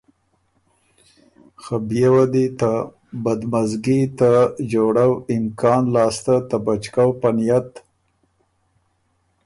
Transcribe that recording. خه بيې وه دی ته بدمزګی ته جوړؤ امکان لاسته ته بچکؤ په نئت